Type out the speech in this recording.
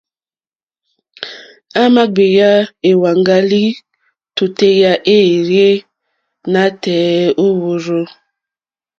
À mà gbèyá èwàŋgá lìwòtéyá éèyé nǎtɛ̀ɛ̀ nǒ mòrzô.